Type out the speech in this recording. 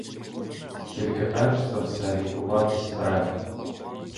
Тільки перш за все лікуватись треба.